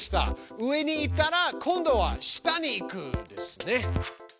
上に行ったら今度は下に行くですね。